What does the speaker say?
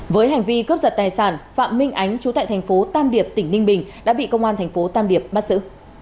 với hành vi cướp giật tài sản phạm minh ánh chú tại thành phố tam điệp tỉnh ninh bình đã bị công an thành phố tam điệp bắt giữ